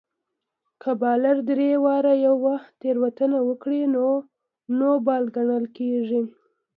که بالر درې واري يوه تېروتنه وکي؛ نو نو بال ګڼل کیږي.